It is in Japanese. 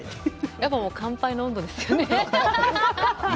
やっぱり乾杯の音頭ですよね。